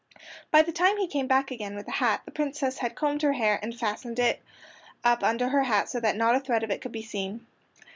By the time he came back again with the hat the Princess had combed her hair and fastened it up under her cap so that not a thread of it could be seen.